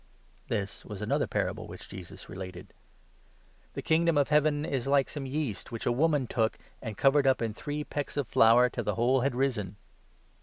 '" Parable This was' another parable which Jesus related — 33 or the "The Kingdom of Heaven is like some yeast Leaven. which a woman took and covered up in three pecks of flour, until the whole had risen."